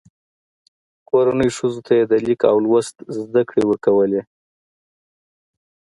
کورنۍ ښځو ته یې د لیک او لوست زده کړې ورکولې.